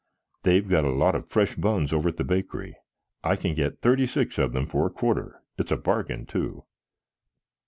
"They've got a lot of fresh buns over at the bakery. I can get thirty six of them for a quarter. It's a bargain, too."